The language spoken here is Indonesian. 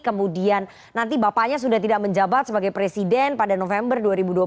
kemudian nanti bapaknya sudah tidak menjabat sebagai presiden pada november dua ribu dua puluh